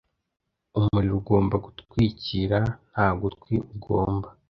Umuriro ugomba gutwikira nta gutwi ugomba